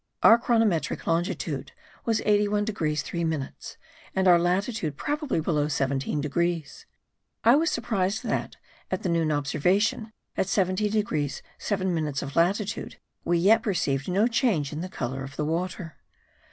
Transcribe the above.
Our chronometric longitude was 81 degrees 3 minutes; and our latitude probably below 17 degrees. I was surprised that, at the noon observation, at 17 degrees 7 minutes of latitude, we yet perceived no change in the colour of the water.